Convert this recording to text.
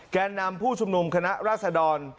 แก่นำผู้ชุมนุมคณะราษดร